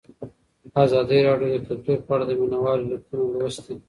ازادي راډیو د کلتور په اړه د مینه والو لیکونه لوستي.